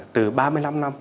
từ ba mươi năm năm